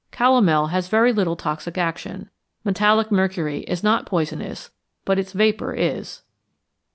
Calomel has very little toxic action. Metallic mercury is not poisonous, but its vapour is.